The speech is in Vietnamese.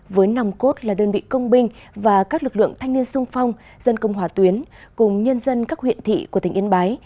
với nòng cốt là đơn vị công binh và các lực lượng thanh niên sung phong dân công hòa tuyến cùng nhân dân các huyện thị của tỉnh yên bái